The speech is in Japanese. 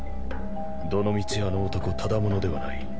どの道あの男ただ者ではない。